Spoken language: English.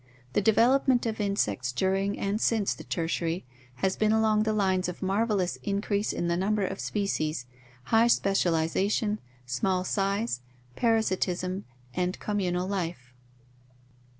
The development of insects during and since the Tertiary has been along the lines of marvelous increase in the number of species, high specialization, small size, parasitism, and communal life.